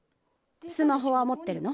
スマホはもってるの？